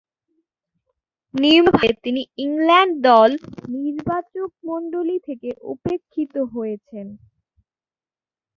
নিয়মিতভাবে তিনি ইংল্যান্ড দল নির্বাচকমণ্ডলী থেকে উপেক্ষিত হয়েছেন।